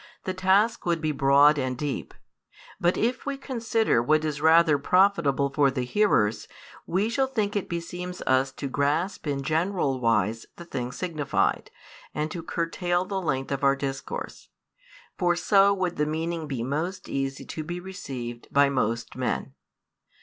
the task would be broad and deep. But if we consider what is rather profitable for the hearers, we shall think it beseems us to grasp in general wise the things signified, and to curtail the length of our discourse. For so would the meaning be most easy to be received by most men.